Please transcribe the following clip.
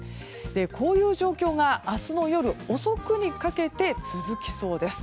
こういう状況が明日の夜遅くにかけて続きそうです。